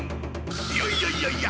いやいやいやいや！